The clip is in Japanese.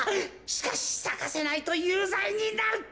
しかしさかせないとゆうざいになる。